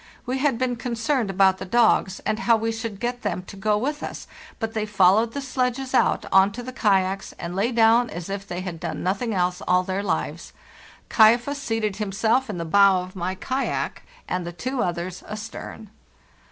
We had been concerned about the dogs and how we should get them to go with us, but they followed the sledges out on to the kayaks and lay down as if they had done nothing else all their lives. ' Kaifas' seated himself in the bow of my kayak, and the two others astern.